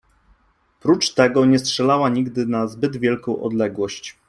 Prócz tego nie strzela nigdy na zbyt wielką odległość.